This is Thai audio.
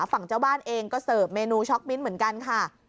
ฝั่งเจ้าบ้านเองก็เสิร์ฟเมนูช็อกมิ้นเหมือนกันค่ะ